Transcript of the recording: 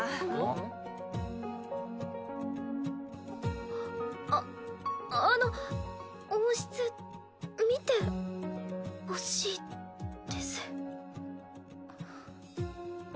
あっああの温室見てほしいです。